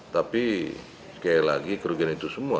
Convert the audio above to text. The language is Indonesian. tapi sekali lagi kerugian itu semua